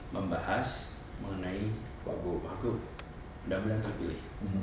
membahas mengenai wabuk wabuk undang undang terpilih